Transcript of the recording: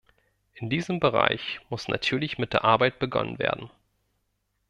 In diesem Bereich muss natürlich mit der Arbeit begonnen werden.